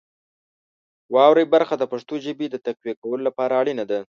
واورئ برخه د پښتو ژبې د تقویه کولو لپاره اړینه ده.